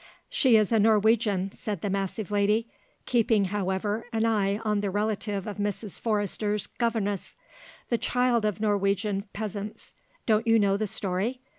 "She is a Norwegian," said the massive lady, keeping however an eye on the relative of Mrs. Forrester's governess; "the child of Norwegian peasants. Don't you know the story?